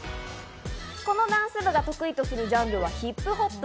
このダンス部が得意とするジャンルはヒップホップ。